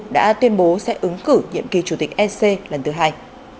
đã tuyên bố sẽ ứng cử nhiệm kỳ chủ tịch ec lần thứ hai